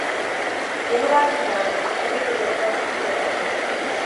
Stěhování národů přivedlo do oblasti Slovany.